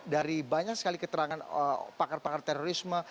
dari banyak sekali keterangan pakar pakar terorisme